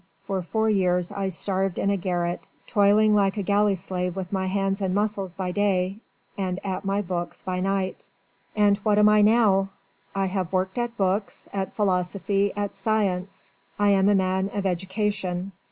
For four years I starved in a garret, toiling like a galley slave with my hands and muscles by day and at my books by night. And what am I now? I have worked at books, at philosophy, at science: I am a man of education.